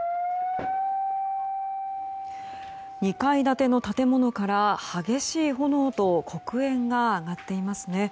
２階建ての建物から激しい炎と黒煙が上がっています。